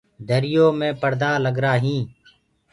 دريو مي پڙدآ لگرآ هينٚ۔